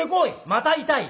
「また痛い」。